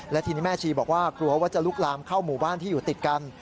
และทีนี้แม่ชีบอกว่ากลัวว่าจะลุกลามเข้าหมู่บ้านที่อยู่ติดกัน